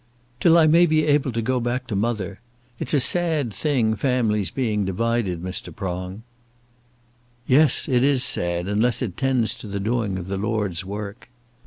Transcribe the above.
"Till I may be able to go back to mother. It's a sad thing families being divided, Mr. Prong." "Yes, it is sad; unless it tends to the doing of the Lord's work."